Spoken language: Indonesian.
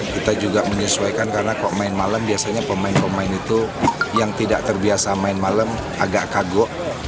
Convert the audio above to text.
kita juga menyesuaikan karena kalau main malam biasanya pemain pemain itu yang tidak terbiasa main malam agak kago